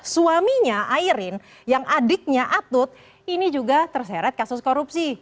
suaminya airin yang adiknya atut ini juga terseret kasus korupsi